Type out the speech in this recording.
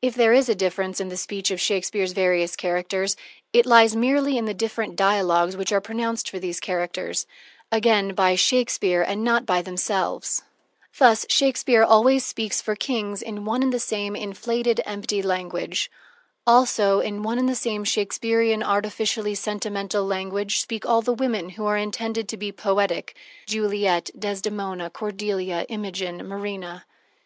If there is a difference in the speech of Shakespeare's various characters, it lies merely in the different dialogs which are pronounced for these characters again by Shakespeare and not by themselves. Thus Shakespeare always speaks for kings in one and the same inflated, empty language. Also in one and the same Shakespearian, artificially sentimental language speak all the women who are intended to be poetic: Juliet, Desdemona, Cordelia, Imogen, Marina.